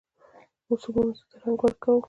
موسمونو ته رنګ ورکوم